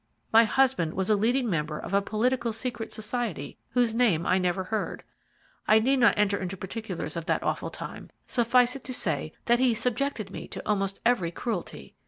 My husband was a leading member of a political secret society, whose name I never heard. I need not enter into particulars of that awful time. Suffice it to say that he subjected me to almost every cruelty.